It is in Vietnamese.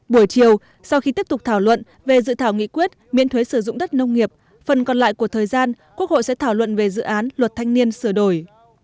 buổi chiều sau khi tiếp tục thảo luận về dự thảo nghị quyết miễn thuế sử dụng đất nông nghiệp phần còn lại của thời gian quốc hội sẽ thảo luận về dự án luật thanh niên sửa đổi